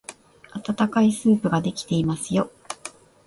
あたたかいスープができていますよ。